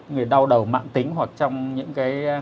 người đau đầu mạng tính hoặc trong những cái